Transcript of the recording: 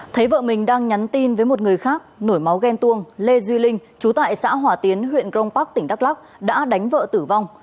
thấy vợ mình đang nhắn tin với một người khác nổi máu ghen tuông lê duy linh chú tại xã hòa tiến huyện grong park tỉnh đắk lắc đã đánh vợ tử vong